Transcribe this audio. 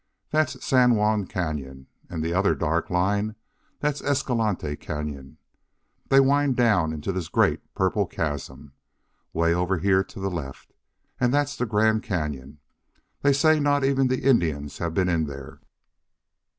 That's San Juan Cañon. And the other dark line, that's Escalante Cañon. They wind down into this great purple chasm 'way over here to the left and that's the Grand Cañon. They say not even the Indians have been in there."